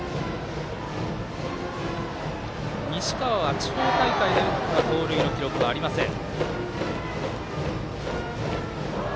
西河は地方大会では盗塁の記録はありません。